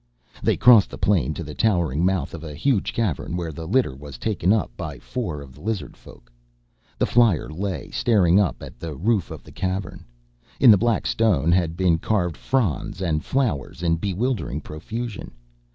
They crossed the plain to the towering mouth of a huge cavern where the litter was taken up by four of the lizard folk. The flyer lay staring up at the roof of the cavern. In the black stone had been carved fronds and flowers in bewildering profusion.